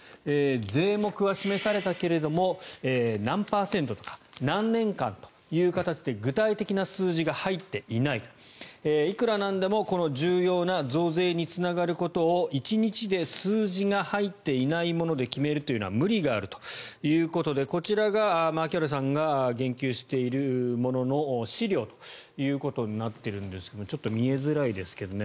税目は示されたけれども何パーセントとか何年間という形で具体的な数字が入っていないいくらなんでもこの重要な増税につながることを１日で数字が入っていないもので決めるというのは無理があるということでこちらが牧原さんが言及しているものの資料ということになっているんですがちょっと見えづらいですけどね